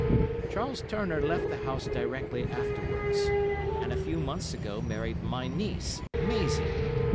Charles Turner left the house directly afterwards, and a few months ago married my niece, Maisie.